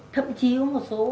thậm chí có một số